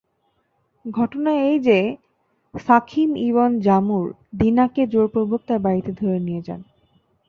ঘটনা এই যে, শাখীম ইবন জামূর দীনাকে জোরপূর্বক তার বাড়িতে ধরে নিয়ে যায়।